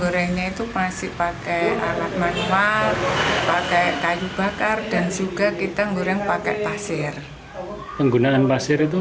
di yaitu masih pakai alat manua pakai kayu bakar dan juga kita ngoreng pakai pasir penggrim pasir itu